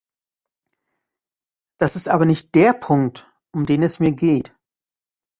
Das ist aber nicht der Punkt, um den es mir geht.